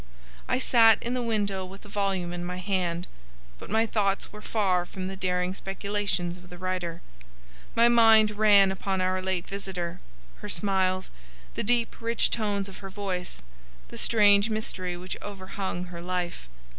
I sat in the window with the volume in my hand, but my thoughts were far from the daring speculations of the writer. My mind ran upon our late visitor,—her smiles, the deep rich tones of her voice, the strange mystery which overhung her life.